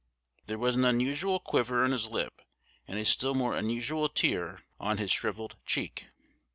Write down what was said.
There was an unusual quiver in his lip, and a still more unusual tear on his shrivelled cheek.